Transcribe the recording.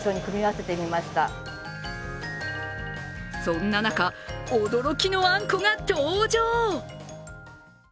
そんな中、驚きのあんこが登場。